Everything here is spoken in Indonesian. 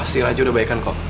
si raja udah baik kan kok